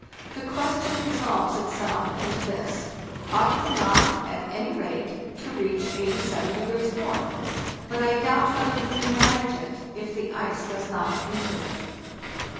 The question resolves itself into this: Ought we not, at any rate, to reach 87° N.? But I doubt whether we can manage it if the ice does not improve.